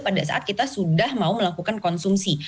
pada saat kita sudah mau melakukan konsumsi